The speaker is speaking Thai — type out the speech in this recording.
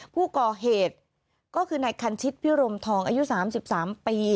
ผู้ก่อเหตุก็คือนายคันชิตพิรมทองอายุ๓๓ปี